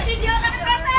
ini dia orang prt